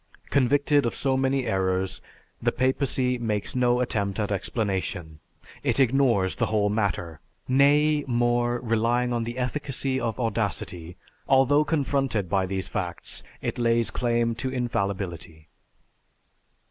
Convicted of so many errors, the papacy makes no attempt at explanation. It ignores the whole matter. Nay, more, relying on the efficacy of audacity, although confronted by these facts, it lays claim to infallibility."